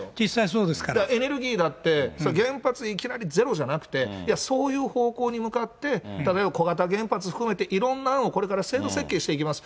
だからエネルギーだって、原発いきなりゼロじゃなくて、いや、そういう方向に向かって、例えば小型原発含めて、いろんな案をこれから制度設計していきますと。